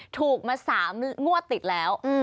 ถูกมา๓งวดติดแล้ว